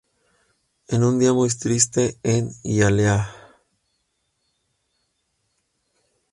Es un día muy triste en Hialeah".